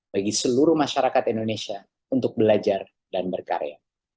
bagi seluruh masyarakat indonesia untuk belajar dan berkarya